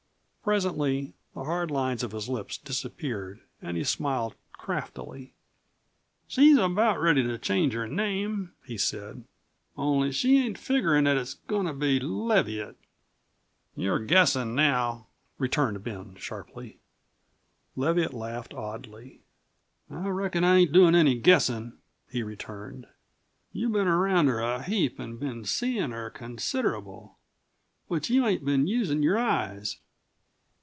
Presently the hard lines of his lips disappeared and he smiled craftily. "She's about ready to change her name," he said. "Only she ain't figgerin' that it's goin' to be Leviatt." "You're guessing now," returned Ben sharply. Leviatt laughed oddly. "I reckon I ain't doin' any guessin'," he returned. "You've been around her a heap an' been seein' her consid'able, but you ain't been usin' your eyes."